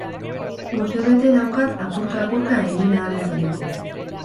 Urtebete daukat apurka-apurka egin ahal izateko.